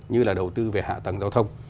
như là đầu tư về hạ tầng giao thông